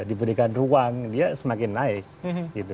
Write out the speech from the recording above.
diberikan ruang dia semakin naik gitu